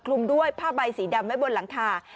คลุมด้วยผ้าใบสีดำไว้บนหลังคา